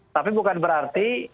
tapi bukan berarti